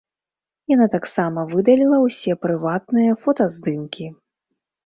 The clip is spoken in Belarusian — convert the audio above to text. Яна таксама выдаліла ўсе прыватныя фотаздымкі.